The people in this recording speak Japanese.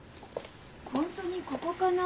本当にここかな？